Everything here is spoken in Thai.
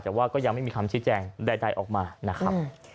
แต่ว่าก็ยังไม่มีคำชี้แจงใดออกมานะครับ